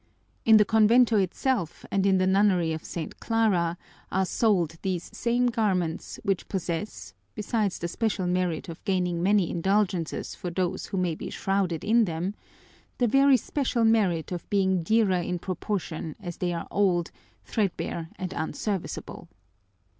In the convento itself and in the nunnery of St. Clara are sold these same garments which possess, besides the special merit of gaining many indulgences for those who may be shrouded in them, the very special merit of being dearer in proportion as they are old, threadbare, and unserviceable.